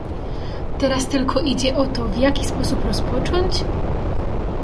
"Teraz tylko idzie o to, w jaki sposób rozpocząć?"